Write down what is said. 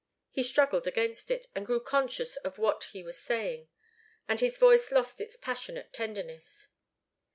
He struggled against it, and grew conscious of what he was saying, and his voice lost its passionate tenderness.